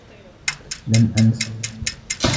لم أنس.